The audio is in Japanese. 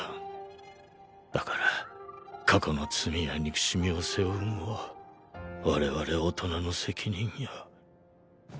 だから過去の罪や憎しみを背負うんは我々大人の責任や。